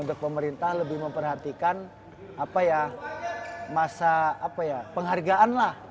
untuk pemerintah lebih memperhatikan apa ya masa apa ya penghargaan lah